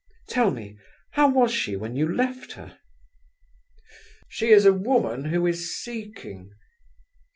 "Tell me, how was she when you left her?" "She is a woman who is seeking..."